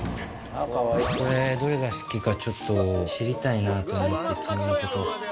どれが好きか知りたいなと思って君のこと。